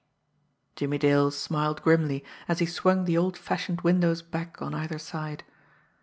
Jimmie Dale smiled grimly, as he swung the old fashioned windows back on either side.